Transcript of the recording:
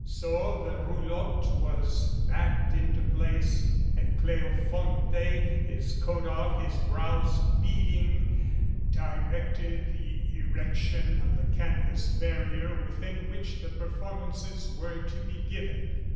So the roulotte was backed into place and Cleofonte, his coat off, his brows beading, directed the erection of the canvas barrier within which the performances were to be given.